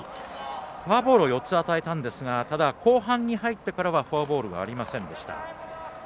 フォアボールを４つ与えたんですがただ、後半に入ってからはフォアボールありませんでした。